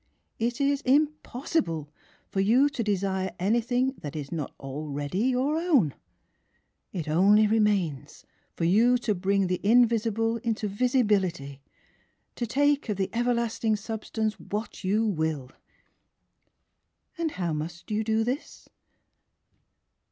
It is impossible for you to desire anything that is not already your own! It only remains for you to bring the invisible into visibility — to take of the everlasting sub stance what you will ! "And how must you do this?